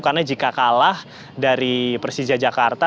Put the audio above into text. karena jika kalah dari persija jakarta